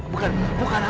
bukan aku nyai